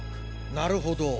なるほど。